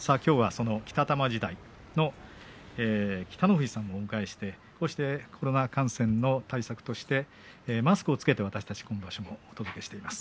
北玉時代の北の富士さんをお迎えしてコロナ感染の対策としてマスクを着けて私たち今場所もお届けしています。